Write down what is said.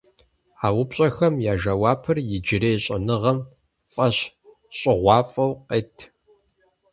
А упщӀэхэм я жэуапыр иджырей щӀэныгъэм фӀэщ щӀыгъуафӀэу къет.